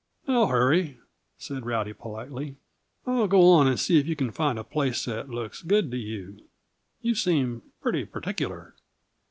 "No hurry," said Rowdy politely. "I'll go on and see if you can find a place that looks good to you. You seem pretty particular."